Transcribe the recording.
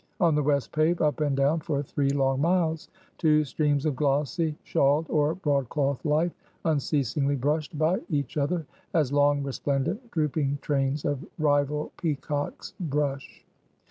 On the west pave, up and down, for three long miles, two streams of glossy, shawled, or broadcloth life unceasingly brushed by each other, as long, resplendent, drooping trains of rival peacocks brush.